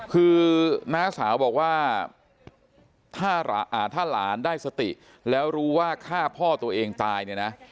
คือน้าสาวบอกว่าถ้าหลานได้สติแล้วรู้ว่าฆ่าพ่อตัวเองตายเนี่ยนะ